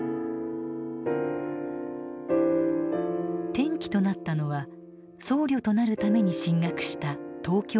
転機となったのは僧侶となるために進学した東京の大学での出来事。